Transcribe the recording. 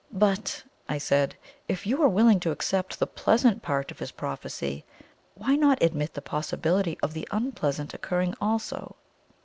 "But," I said, "if you are willing to accept the pleasant part of his prophecy, why not admit the possibility of the unpleasant occurring also?"